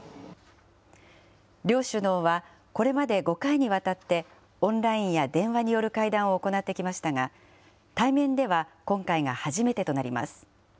両首脳はこれまで５回にわたって、オンラインや電話による会談を行ってきましたが、対面では今回が初めてとなります。